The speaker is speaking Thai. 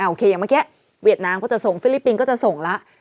โอเคอย่างเมื่อกี้เวียดนามก็จะส่งฟิลิปปินส์ก็จะส่งแล้ว